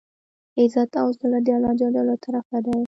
عزت او زلت د الله ج له طرفه دی.